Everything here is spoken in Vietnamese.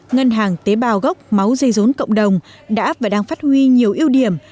ngân hàng tế bào gốc máu dây rốn cộng đồng đã và đang phát huy nhiều ưu điểm